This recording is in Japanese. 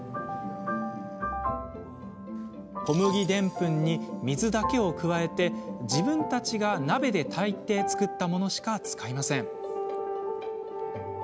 小麦でんぷんに水だけを加え自分たちが鍋で炊いて作ったものしか使いません。